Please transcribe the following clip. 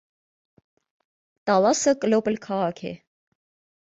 Տալասը կլոպըլ քաղաք է։